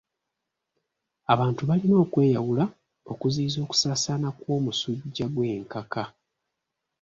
Abantu balina okweyawula okuziyiza okusaasaana kw'omusujja gw'enkaka.